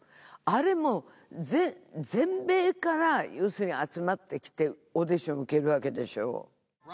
あれもう全米から要するに集まってきてオーディション受けるわけでしょ